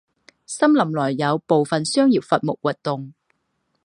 森林内有部分商业伐木活动。